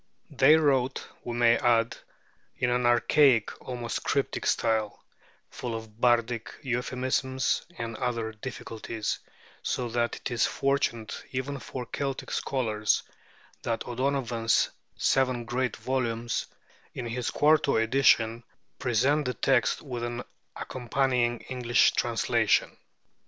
They wrote, we may add, in an archaic, almost cryptic style, full of bardic euphemisms and other difficulties; so that it is fortunate even for Celtic scholars that O'Donovan's seven great volumes, in his quarto edition, present the text with an accompanying English translation.